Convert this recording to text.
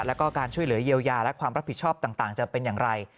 แล้วก็การช่วยเหลือเยียวยาและความรับผิดชอบต่างจะเป็นอย่างไร